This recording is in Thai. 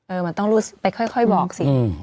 เออมันต้องไปค่อยบอกสิ